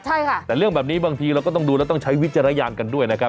ใช่ค่ะแต่เรื่องแบบนี้บางทีเราก็ต้องดูแล้วต้องใช้วิจารณญาณกันด้วยนะครับ